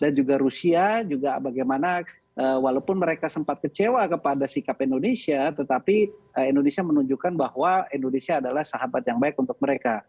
dan juga rusia juga bagaimana walaupun mereka sempat kecewa kepada sikap indonesia tetapi indonesia menunjukkan bahwa indonesia adalah sahabat yang baik untuk mereka